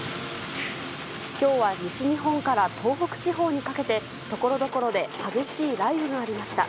今日は西日本から東北地方にかけてところどころで激しい雷雨がありました。